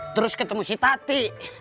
terus ketemu si tati